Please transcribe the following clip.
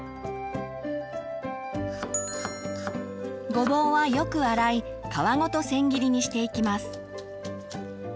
ごぼうはよく洗い皮ごと千切りにしていきます。